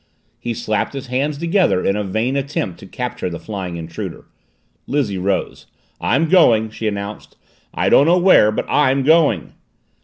He slapped his hands together in a vain attempt to capture the flying intruder. Lizzie rose. "I'm going!" she announced. "I don't know where, but I'm going!"